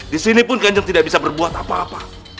di sini pun kanjeng tidak bisa berbuat apa apa